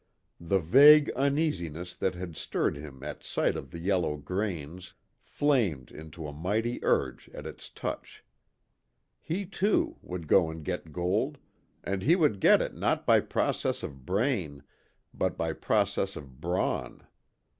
The vague uneasiness that had stirred him at sight of the yellow grains, flamed into a mighty urge at its touch. He, too, would go and get gold and he would get it not by process of brain, but by process of brawn.